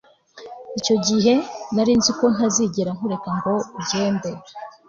icyo gihe nari nzi ko ntazigera nkureka ngo ugende